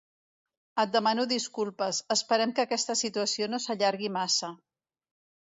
Et demano disculpes, esperem que aquesta situació no s'allargui massa.